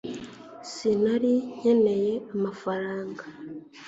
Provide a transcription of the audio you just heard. sinari nkeneye amafaranga